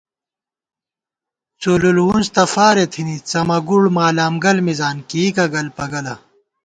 څُلُل وُنڅ تہ فارےتھِنی، څمہ گُوڑمالامگل مِزان کېئیکہ گلۡ پہ گلہ